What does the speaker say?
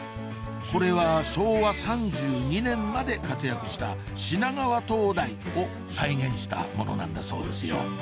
これは昭和３２年まで活躍した品川燈台を再現したものなんだそうですよ